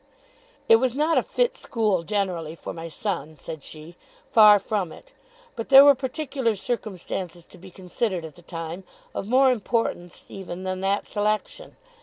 'It was not a fit school generally for my son,' said she; 'far from it; but there were particular circumstances to be considered at the time, of more importance even than that selection.